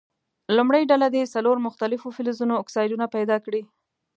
لومړۍ ډله دې څلور مختلفو فلزونو اکسایدونه پیداکړي.